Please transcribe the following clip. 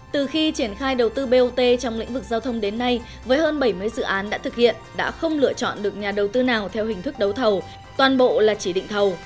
từ khi triển khai đầu tư bot trong lĩnh vực giao thông đến nay với hơn bảy mươi dự án đã thực hiện đã không lựa chọn được nhà đầu tư nào theo hình thức đấu thầu toàn bộ là chỉ định thầu